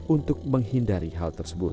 untuk menghindari hal tersebut